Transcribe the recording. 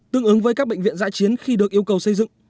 tương ứng với các bệnh viện giã chiến khi được yêu cầu xây dựng